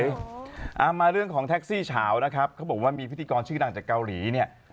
เอามาเรื่องของแท็กซี่เฉานะครับเขาบอกว่ามีพิธีกรชื่อดังจากเกาหลีเนี่ย